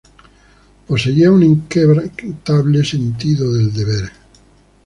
Poseía un inquebrantable sentido del deber.